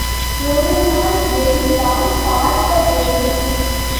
ஒருநாள் ஏறித்தான் பார்க்க வேண்டும்.